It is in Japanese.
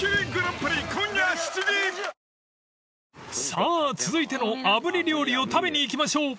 ［さぁ続いてのあぶり料理を食べに行きましょう］